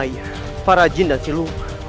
maya para jin dan silu